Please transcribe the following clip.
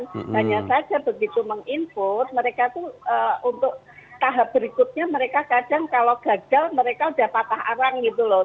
dan yang saja begitu menginput mereka tuh untuk tahap berikutnya mereka kadang kalau gagal mereka udah patah arang gitu loh